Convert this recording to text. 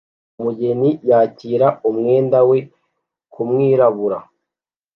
Umugeni yakira umwenda we kumwirabura